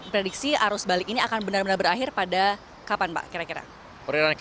prediksi arus balik ini akan benar benar berakhir pada kapan pak kira kira